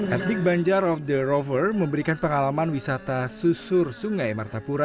etnik banjar of the rover memberikan pengalaman wisata susur sungai martapura